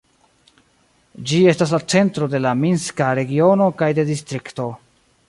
Ĝi estas la centro de la minska regiono kaj de distrikto.